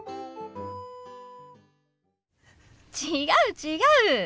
違う違う。